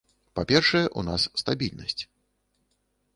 Па-першае, у нас стабільнасць.